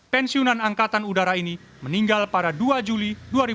pensiunan angkatan udara ini meninggal pada dua juli dua ribu dua puluh